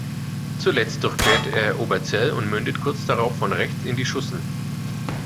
Zuletzt durchquert er Oberzell und mündet kurz darauf von rechts in die Schussen.